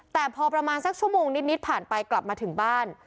แต่พอประมาณสักชั่วโมงนิดผ่านไปกลับมาถึงบ้าน